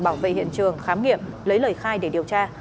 bảo vệ hiện trường khám nghiệm lấy lời khai để điều tra